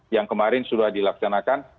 yang kemarin sudah dilaksanakan